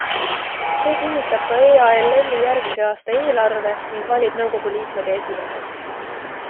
See kinnitab ka EALLi järgmise aasta eelarve ning valib nõukogu liikmed ja esimehe.